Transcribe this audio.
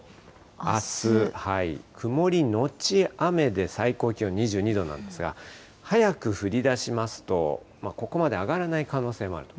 あす、曇り後雨で、最高気温２２度なんですが、早く降りだしますと、ここまで上がらない可能性もあると。